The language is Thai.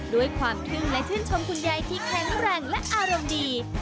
ด้วยความทึ่งและชื่นชมคุณยายที่แข็งแรงและอารมณ์ดี